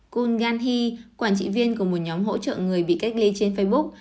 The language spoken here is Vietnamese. kun gan hi quản trị viên của một nhóm hỗ trợ người bị cách ly trên facebook